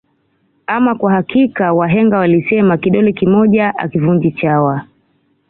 Ama kwa hakika wahenga walisema kidole kimoja akivunji chawa